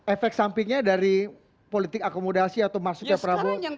efek sampingnya dari politik akomodasi atau masuknya prabowo